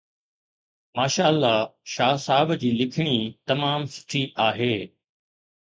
ماشاءالله شاهه صاحب جي لکڻي تمام سٺي آهي